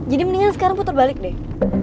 jadi mendingan sekarang puter balik deh